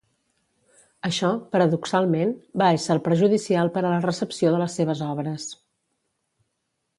Això, paradoxalment, va ésser perjudicial per a la recepció de les seves obres.